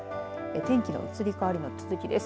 天気の移り変わりの続きです。